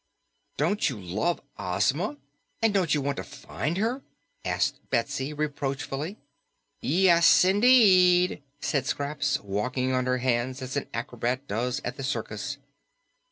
"Don't you love Ozma? And don't you want to find her?" asked Betsy reproachfully. "Yes indeed," said Scraps, walking on her hands as an acrobat does at the circus.